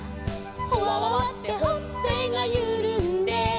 「ほわわわってほっぺがゆるんで」